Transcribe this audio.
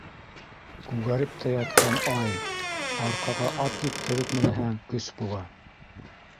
Күгәреп тә яткан, ай, арҡаға Ат ектереп менһәң, көс була.